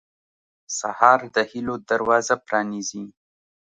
سهار د هيلو دروازه پرانیزي.